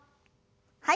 はい。